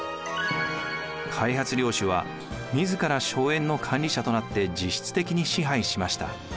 開発領主は自ら荘園の管理者となって実質的に支配しました。